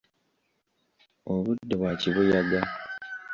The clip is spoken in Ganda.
Obudde bwa kibuyaga.